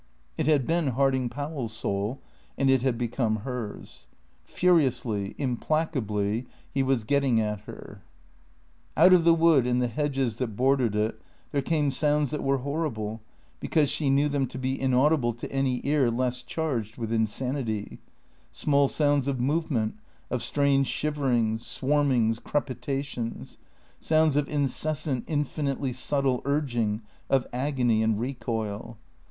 It had been Harding Powell's soul, and it had become hers. Furiously, implacably, he was getting at her. Out of the wood and the hedges that bordered it there came sounds that were horrible, because she knew them to be inaudible to any ear less charged with insanity; small sounds of movement, of strange shiverings, swarmings, crepitations; sounds of incessant, infinitely subtle urging, of agony and recoil.